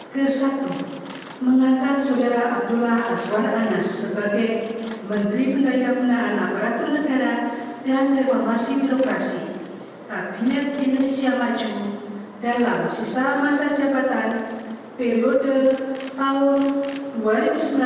kesatu mengatakan saudara abdullah azwar anas sebagai menteri pendayang kedahan aparatun negara dan reformasi lokasi kabinet indonesia maju dalam sisa masa jabatan p r d tahun dua ribu sembilan belas dua ribu dua puluh empat